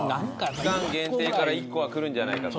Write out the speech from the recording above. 期間限定から１個はくるんじゃないかと。